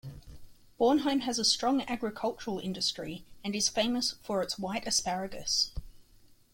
Bornheim has a strong agricultural industry and is famous for its white asparagus.